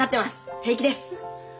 平気です。